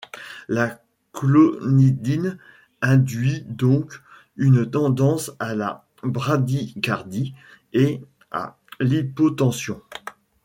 La clonidine induit donc une tendance à la bradycardie et à l’hypotension.